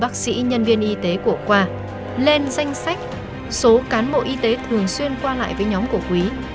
bác sĩ nhân viên y tế của khoa lên danh sách số cán bộ y tế thường xuyên qua lại với nhóm của quý